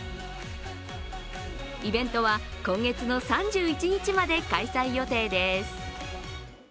イベントは今月の３１日まで開催予定です。